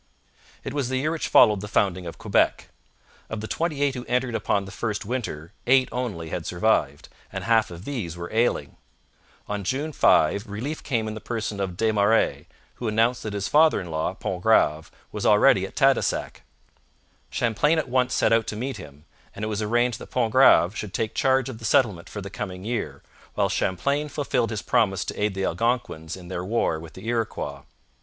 It was the year which followed the founding of Quebec. Of the twenty eight who entered upon the first winter eight only had survived, and half of these were ailing. On June 5 relief came in the person of Des Marais, who announced that his father in law, Pontgrave, was already at Tadoussac. Champlain at once set out to meet him, and it was arranged that Pontgrave should take charge of the settlement for the coming year, while Champlain fulfilled his promise to aid the Algonquins in their war with the Iroquois.